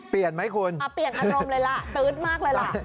เปลี่ยนไหมคุณเปลี่ยนอารมณ์เลยล่ะตื๊ดมากเลยล่ะ